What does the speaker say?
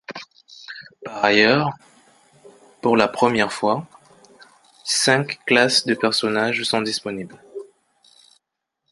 Par ailleurs, pour la première fois, cinq classes de personnage sont disponibles.